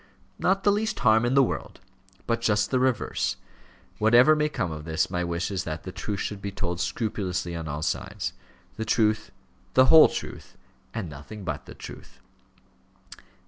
"Not the least harm in the world, but just the reverse. Whatever may come of this, my wish is that the truth should be told scrupulously on all sides; the truth, the whole truth, and nothing but the truth."